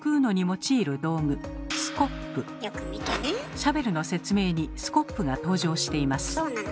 シャベルの説明にスコップが登場しています。